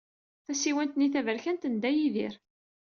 Tasiwant-nni taberkant n Dda Yidir.